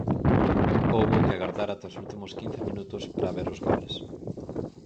Houbo que agardar ata os últimos quince minutos para ver os goles.